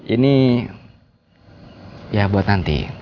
ini ya buat nanti